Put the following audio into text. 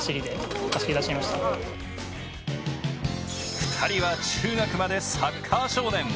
２人は中学までサッカー少年。